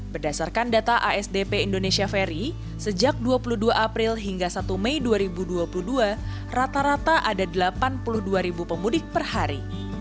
berdasarkan data asdp indonesia ferry sejak dua puluh dua april hingga satu mei dua ribu dua puluh dua rata rata ada delapan puluh dua ribu pemudik per hari